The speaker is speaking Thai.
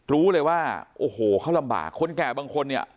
รู้เลยว่าโอ้โหเขาลำบากคนแก่บางคนเนี่ย